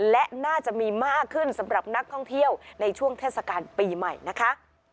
และน่าจะมีมากขึ้นสำหรับนักท่องเที่ยวในช่วงเทศกาลปีใหม่นะคะ